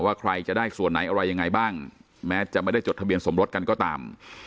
ใครจะได้ส่วนไหนอะไรยังไงบ้างแม้จะไม่ได้จดทะเบียนสมรสกันก็ตาม